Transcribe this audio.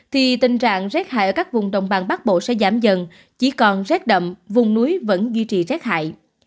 thì tình trạng rét hại ở các vùng đồng bằng bắc bộ sẽ giảm dần chỉ còn rét đậm vùng núi vẫn duy trì rét hại